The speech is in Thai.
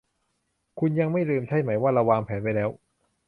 คุณยังไม่ลืมใช่ไหมว่าเราวางแผนไว้แล้ว